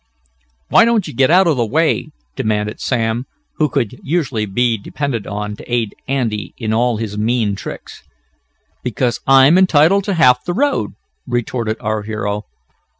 "Why don't you get out of the way," demanded Sam, who could usually be depended on to aid Andy in all his mean tricks. "Because I'm entitled to half the road," retorted our hero.